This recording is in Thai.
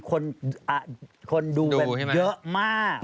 คนดูแบบเยอะมาก